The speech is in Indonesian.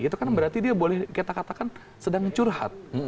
itu kan berarti dia boleh kita katakan sedang curhat